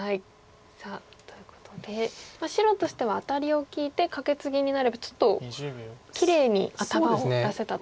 さあということで白としてはアタリを利いてカケツギになればちょっときれいに頭を出せたという。